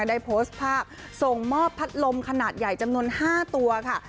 ได้โพสต์ภาพส่งมอบพัดลมขนาดใหญ่จำนวน๕ตัวค่ะ